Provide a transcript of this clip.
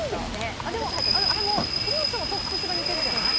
國本さんもトップスが似てるじゃない？